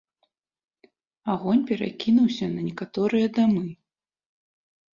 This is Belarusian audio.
Агонь перакінуўся на некаторыя дамы.